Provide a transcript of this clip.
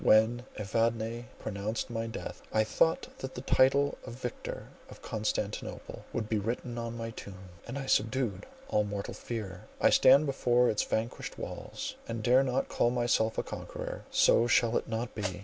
When Evadne pronounced my death, I thought that the title of Victor of Constantinople would be written on my tomb, and I subdued all mortal fear. I stand before its vanquished walls, and dare not call myself a conqueror. So shall it not be!